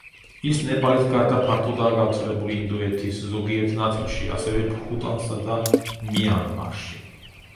ის ნეპალის გარდა ფართოდაა გავრცელებული ინდოეთის ზოგიერთ ნაწილში, ასევე ბჰუტანსა და მიანმარში.